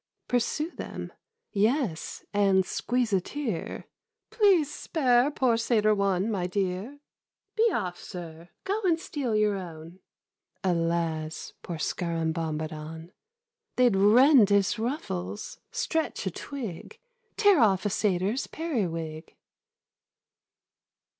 Pursue them ?— Yes, and squeeze a tear ' Please spare poor satyr one, my dear.' ' Be off, sir ; go and steal your own.' Alas, poor Scarabombadon ! They'd rend his ruffles, stretch a twig, Tear off a satyr's periwig.'